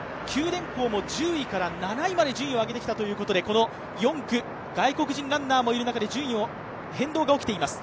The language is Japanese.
電工も１０位から７位まで順位を上げてきたということで、この４区、外国人ランナーもいる中で順位の変動が起きています。